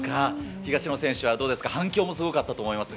東野選手はどうですか、反響もすごかったと思いますが。